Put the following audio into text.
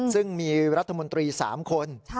ซึ่งมีรัฐมนตรี๓คน